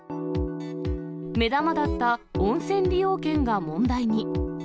目玉だった温泉利用券が問題に。